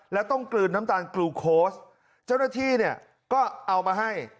แล้วต้องกลืนน้ำตาลกลูโค้ชเจ้าหน้าที่เนี่ยก็เอามาให้